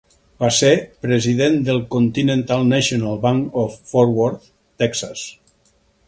Va ser president del Continental National Bank of Fort Worth, Texas.